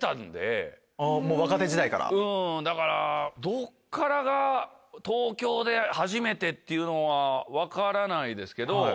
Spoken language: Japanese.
どっからが東京で初めてっていうのは分からないですけど。